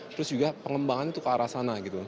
terus juga pengembangan itu ke arah sana gitu loh